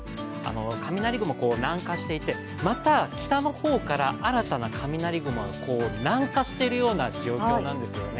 雷雲、南下していてまた北の方から新たな雷雲が南下しているような状況なんですよね。